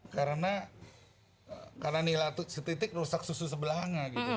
karena nilai setitik rusak susu sebelah hanga gitu